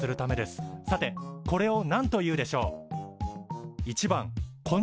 さてこれをなんというでしょう？